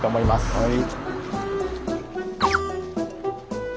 はい。